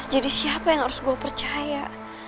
siapa yang harus gue percaya